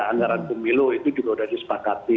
anggaran pemilu itu juga sudah disepakati